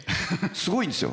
すごいんですよ。